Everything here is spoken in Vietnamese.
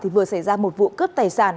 vừa xảy ra một vụ cướp tài sản